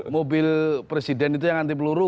mobil presiden itu yang anti peluru